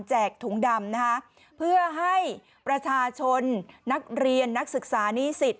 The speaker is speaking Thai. ถุงดำนะคะเพื่อให้ประชาชนนักเรียนนักศึกษานิสิต